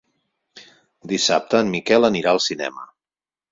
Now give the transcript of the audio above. Dissabte en Miquel anirà al cinema.